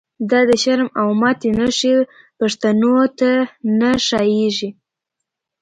دا د شرم او ماتی نښی، پښتنو ته نه ښا ييږی